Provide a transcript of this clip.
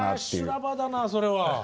修羅場だなそれは。